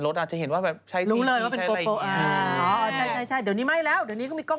ก็ติดหน้าหลังอีกน